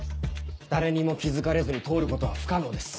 誰にも気付かれずに通ることは不可能です。